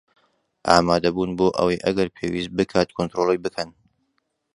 ئامادەبوون بۆ ئەوەی ئەگەر پێویست بکات کۆنترۆڵی بکەن